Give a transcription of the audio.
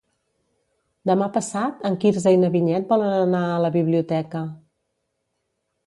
Demà passat en Quirze i na Vinyet volen anar a la biblioteca.